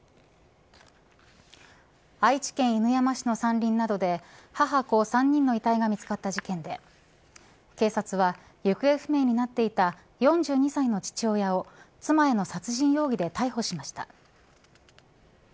愛知県犬山市の山林などで母、子３人の遺体が見つかった事件で警察は行方不明になっていた４２歳の父親を妻への殺人容疑で逮捕しました。